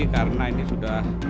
karena ini sudah